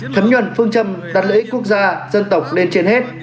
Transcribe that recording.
thấm nhuận phương châm đặt lợi ích quốc gia dân tộc lên trên hết